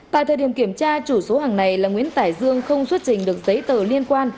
tại thời điểm kiểm tra chủ số hàng này là nguyễn tải dương không xuất trình được giấy tờ liên quan